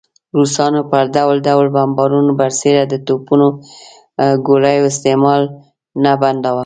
روسانو پر ډول ډول بمباریو برسېره د توپونو ګولیو استعمال نه بنداوه.